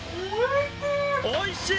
おいしい！